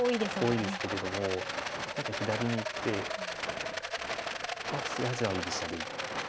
多いですけれども今回左に行ってまあ菅井八段は居飛車で。